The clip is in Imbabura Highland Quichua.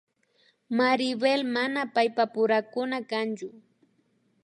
Maribel mana paypurakuna kanchu